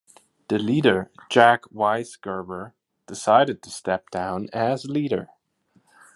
The leader, Jack Weisgerber decided to step down as leader.